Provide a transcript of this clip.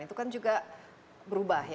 itu kan juga berubah ya